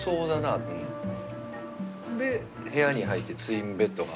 で部屋に入ってツインベッドがある。